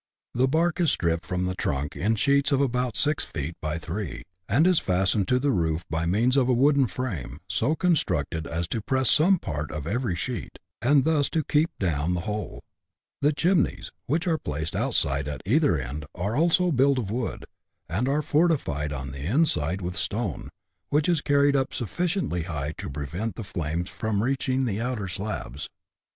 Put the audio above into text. The bark is stripped from the trunk in sheets of about six feet by three, and is fastened to the roof by means of a wooden frame, so constructed as to press some part of every sheet, and thus to keep down the whole. The chimneys, which are placed outside at either end, are also built of wood, and are fortified on the inside with stone, which is carried up suflficiently high to prevent the flames from reach ing the outer slabs.